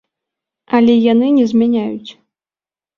Але яны не змяняюць!